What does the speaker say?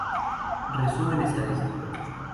Resumen Estadístico